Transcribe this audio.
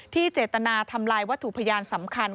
เจตนาทำลายวัตถุพยานสำคัญ